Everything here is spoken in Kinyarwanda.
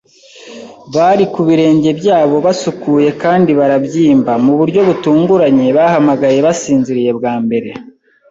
bari ku birenge byabo, basukuye kandi barabyimba, mu buryo butunguranye bahamagaye basinziriye bwa mbere